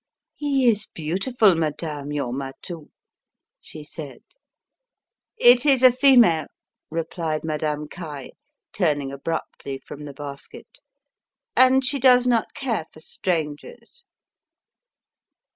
"He is beautiful, madame, your matou," she said. "It is a female," replied Madame Caille, turning abruptly from the basket, "and she does not care for strangers."